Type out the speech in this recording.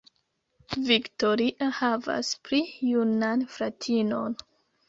Victoria havas pli junan fratinon.